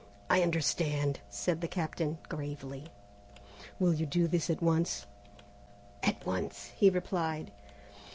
"I understand," said the Captain gravely. "Will you do this at once?" "At once," he replied.